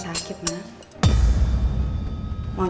jadi kita pundit pundit aja kelputeran